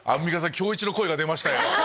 今日イチの声が出ましたよ。